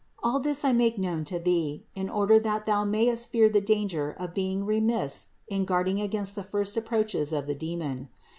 All this I make known to thee, in order that thou mayest fear the danger of being remiss in guarding against the first approaches of the demon.